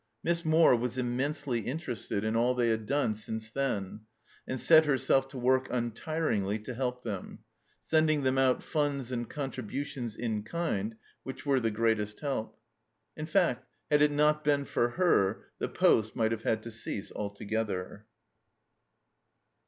Miss Moore was immensely interested in all they had done since then, and set herself to work untiringly to help them, sending them out funds and contributions in kind which were the greatest help ; in fact, had it not been for her, the poste might have had to cease altogether.